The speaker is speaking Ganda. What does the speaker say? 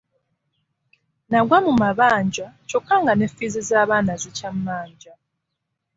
Nagwa mu mabanja kyokka nga ne ffiizi z'abaana zikyammanja.